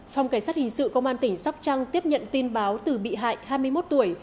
phòng cảnh sát hình sự công an tỉnh sóc trăng tiếp nhận tin báo từ bị hại hai mươi một tuổi